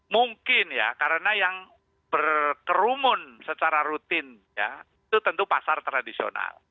mungkin ya karena yang berkerumun secara rutin ya itu tentu pasar tradisional